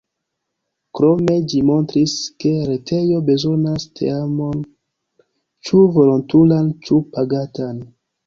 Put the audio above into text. Krome ĝi montris, ke retejo bezonas teamon, ĉu volontulan ĉu pagatan.